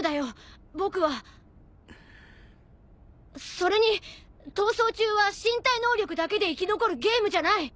それに逃走中は身体能力だけで生き残るゲームじゃない。